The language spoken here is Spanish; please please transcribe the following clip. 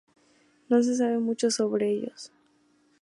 No se sabe mucho sobre ellos.